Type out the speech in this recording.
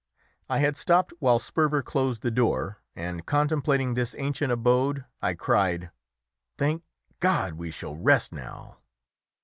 I had stopped while Sperver closed the door, and contemplating this ancient abode, I cried "Thank God! we shall rest now!"